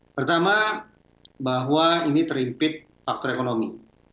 pertama bahwa ini terhimpit faktor ekonomi